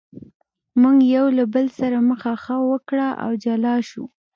موږ یو له بل سره مخه ښه وکړه او سره جلا شوو.